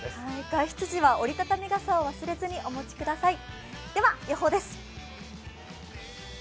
外出時は折り畳み傘を忘れずにお持ちください。